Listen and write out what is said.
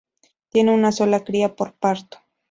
Tiene una sola cría por parto.